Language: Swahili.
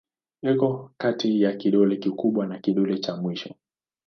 Iko kati ya kidole kikubwa na kidole cha mwisho.